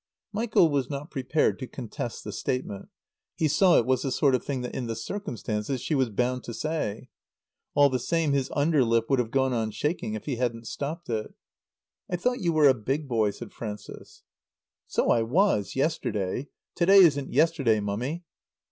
Michael was not prepared to contest the statement. He saw it was the sort of thing that in the circumstances she was bound to say. All the same his under lip would have gone on shaking if he hadn't stopped it. "I thought you were a big boy," said Frances. "So I was, yesterday. To day isn't yesterday, Mummy."